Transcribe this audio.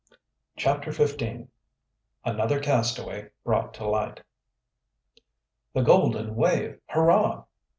CHAPTER XV ANOTHER CASTAWAY BROUGHT TO LIGHT "The Golden Wave! Hurrah!"